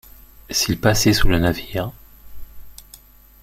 S’il passait sous le navire...